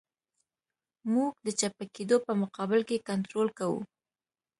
موږ د چپه کېدو په مقابل کې کنټرول کوو